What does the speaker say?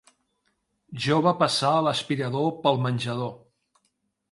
Jo va passar l'aspirador pel menjador.